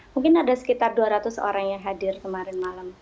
mungkin ada sekitar dua ratus orang yang hadir kemarin malam